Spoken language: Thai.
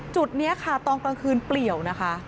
จุดนี้ค่ะตอนกลางคืนเปลี่ยวนะคะ